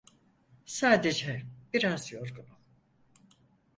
Sadece biraz yorgunum.